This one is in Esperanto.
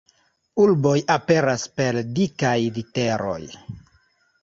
Urboj aperas per dikaj literoj.